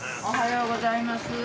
おはようございます。